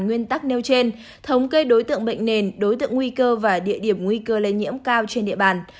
nguyên tắc nêu trên thống kê đối tượng bệnh nền đối tượng nguy cơ và địa điểm nguy cơ lây nhiễm cao trên địa bàn